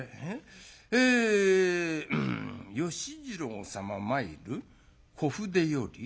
『芳次郎さま参る小筆より』。